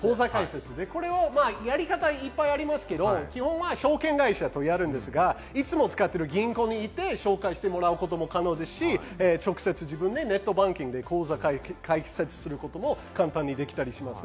やり方はいっぱいありますけど基本は証券会社とやるんですが、いつも使っている銀行に行って紹介してもらうことも可能ですし、直接自分でネットバンキングで口座を開設することも簡単にできます。